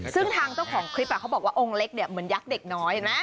ซึ่งทางเจ้าของคลิปเขาบอกว่าองค์เล็กเนี่ยเหมือนยักษ์เด็กน้อยเห็นไหม